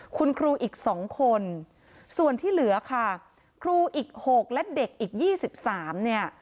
คุณครูอีก๒คนส่วนที่เหลือค่ะครูอีก๖และเด็กอีก๒๓เนี่ย